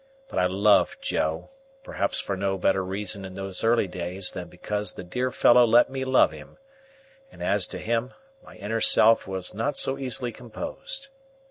But I loved Joe,—perhaps for no better reason in those early days than because the dear fellow let me love him,—and, as to him, my inner self was not so easily composed.